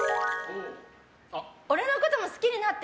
俺のことも好きになって！